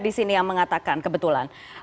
di sini yang mengatakan kebetulan